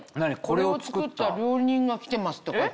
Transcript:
「これを作った料理人が来てます」って書いてあるよ。